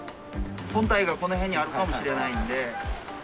本体がこの辺にあるかもしれないんで。